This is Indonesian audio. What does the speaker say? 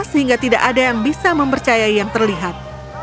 sehingga tidak ada yang bisa mempercayai yang terlihat